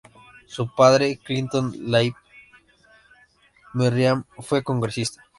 Su padre, Clinton Levi Merriam, fue congresista.